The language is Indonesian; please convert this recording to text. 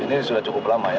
ini sudah cukup lama ya